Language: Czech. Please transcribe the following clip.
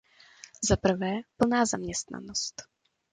Za prvé, plná zaměstnanost.